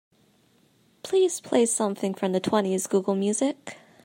Please play something from the twenties google music